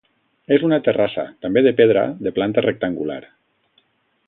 És una terrassa, també de pedra, de planta rectangular.